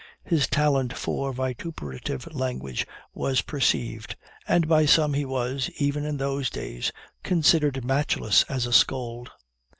His talent for vituperative language was perceived, and by some he was, even in those days, considered matchless as a scold.